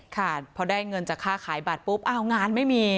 ค่ะพอได้เงินจากค่าขายบัตรปุ๊บอ้าวงานไม่มี